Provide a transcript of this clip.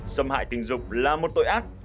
xâm hại tình dục là một tội ác